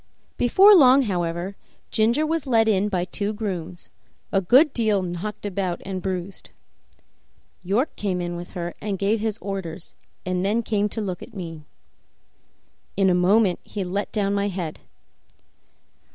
Before long, however, Ginger was led in by two grooms, a good deal knocked about and bruised. York came with her and gave his orders, and then came to look at me. In a moment he let down my head.